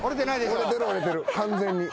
折れてる折れてる完全に。